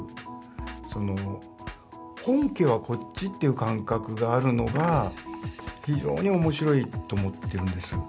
本家はこっちという感覚があるのが非常に面白いと思ってるんです。